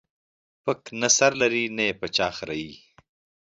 پک نه سر لري ، نې په چا خريي.